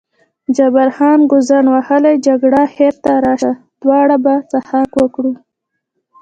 جبار خان: ګوزڼ وهلې جګړه، خیر ته راشه دواړه به څښاک وکړو.